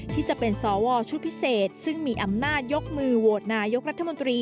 ที่จะเป็นสวชุดพิเศษซึ่งมีอำนาจยกมือโหวตนายกรัฐมนตรี